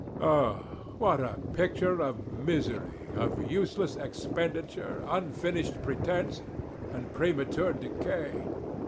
Oh, what a picture of misery, of useless expenditure, unfinished pretence, and premature decay!